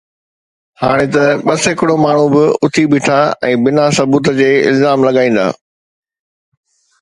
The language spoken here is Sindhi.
هاڻي ته ٻه سيڪڙو ماڻهو به اٿي بيٺا ۽ بنا ثبوت جي الزام لڳائيندا